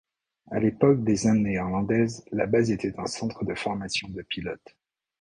À l'époque des Indes néerlandaises, la base était un centre de formation de pilotes.